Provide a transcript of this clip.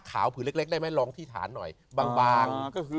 คือหาขาวผู้เล็กได้มั้ยลองที่ฐานหน่อยบาง